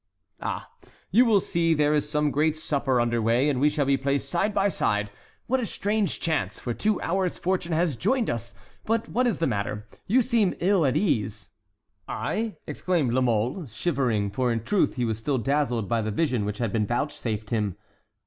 "Ah, you will see there is some great supper under way and we shall be placed side by side. What a strange chance! For two hours fortune has joined us! But what is the matter? You seem ill at ease." "I?" exclaimed La Mole, shivering, for in truth he was still dazzled by the vision which had been vouchsafed him.